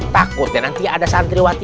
takut dan nanti ada santriwati